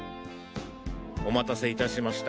お待たせいたしました。